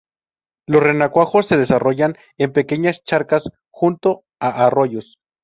Los renacuajos se desarrollan en pequeñas charcas junto a arroyos.